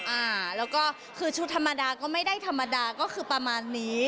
อ่าแล้วก็คือชุดธรรมดาก็ไม่ได้ธรรมดาก็คือประมาณนี้